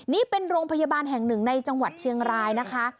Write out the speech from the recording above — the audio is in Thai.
นี่เป็นโรงพยาบาลแห่งหนึ่งในจังหวัดเชียงรายนะคะ